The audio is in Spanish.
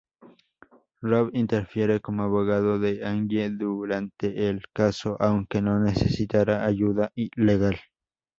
Rob interfiere como abogado de Angie durante el caso, aunque no necesitara ayuda legal.